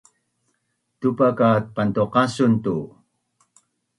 Tupa kat pantuqasun tu